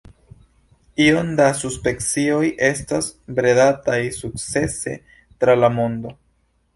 Iom da subspecioj estas bredataj sukcese tra la mondo.